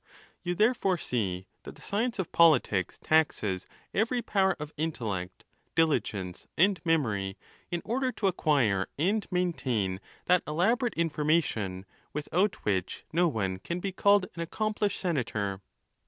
You there fore see that the science of politics taxes every power of intellect, diligence, and memory, in order to acquire and maintain that elaborate information, without which no one can be called an accomplished senator.